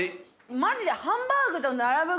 マジで。